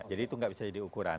jadi itu enggak bisa jadi ukuran